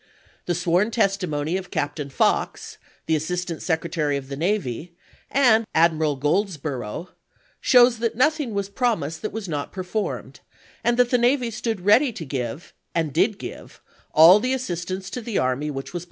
The sworn testi mony of Captain Fox, the Assistant Secretary of the Navy, and of Admiral Groldsborough, shows that nothing was promised that was not performed, and that the navy stood ready to give, and did give, all the assistance to the army which was possible.